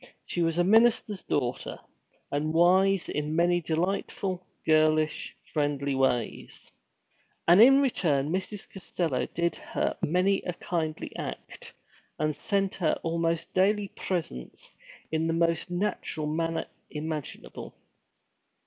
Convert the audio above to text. She was a minister's daughter, and wise in many delightful, girlish, friendly ways. And in return Mrs. Costello did her many a kindly act, and sent her almost daily presents in the most natural manner imaginable.